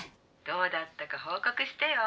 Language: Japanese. どうだったか報告してよ。